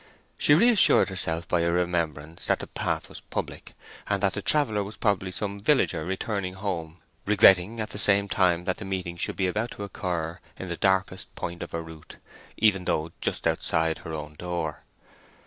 She reassured herself by a remembrance that the path was public, and that the traveller was probably some villager returning home; regretting, at the same time, that the meeting should be about to occur in the darkest point of her route, even though only just outside her own door.